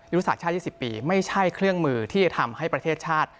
ศาสตร์ชาติ๒๐ปีไม่ใช่เครื่องมือที่จะทำให้ประเทศชาติ